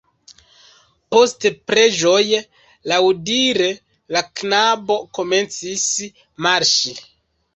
Post preĝoj, laŭdire la knabo komencis marŝi.